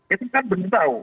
itu kan belum tahu